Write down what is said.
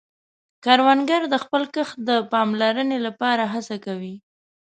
کروندګر د خپل کښت د پاملرنې له پاره هڅه کوي